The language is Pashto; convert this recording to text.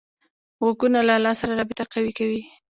غوږونه له الله سره رابطه قوي کوي